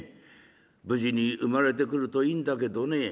無事に生まれてくるといいんだけどね」。